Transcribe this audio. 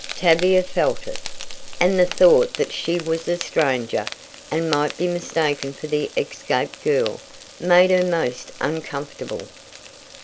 Tavia felt it and the thought that she was a stranger, and might be mistaken for the escaped girl, made her most uncomfortable.